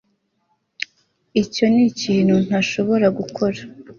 icyo nikintu ntashobora gukora